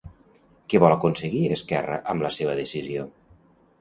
Què vol aconseguir Esquerra amb la seva decisió?